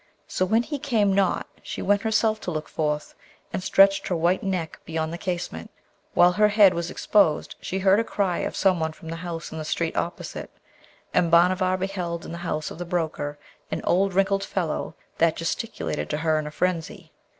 So, when he came not she went herself to look forth, and stretched her white neck beyond the casement. While her head was exposed, she heard a cry of some one from the house in the street opposite, and Bhanavar beheld in the house of the broker an old wrinkled fellow that gesticulated to her in a frenzy.